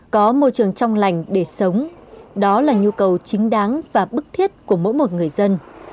có môi trường trong lành để sống đó là nhu cầu chính đáng và bức thiết của mỗi một người dân